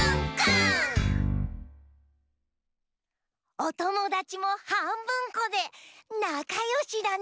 おともだちもはんぶんこでなかよしだね。